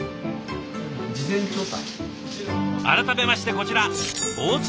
改めましてこちら大坪透さん。